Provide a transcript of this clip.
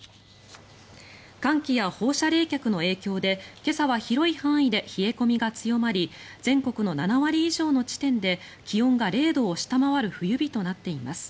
寒気や放射冷却の影響で、今朝は広い範囲で冷え込みが強まり全国の７割以上の地点で気温が０度を下回る冬日となっています。